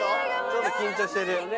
ちょっと緊張してる。